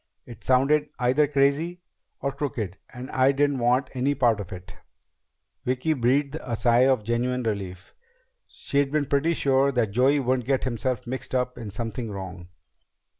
It sounded either crazy or crooked, and I didn't want any part of it." Vicki breathed a deep sigh of genuine relief. She'd been pretty sure that Joey wouldn't get himself mixed up in something wrong.